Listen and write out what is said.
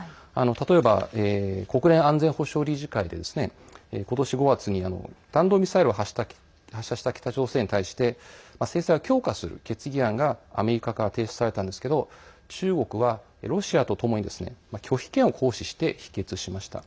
例えば、国連安全保障理事会でことし５月に弾道ミサイルを発射した北朝鮮に対して制裁を強化する決議案がアメリカから提出されたんですけど中国はロシアとともに拒否権を行使して否決しました。